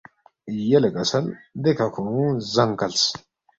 یلے کسل دیکھہ کھونگ زنگ کلس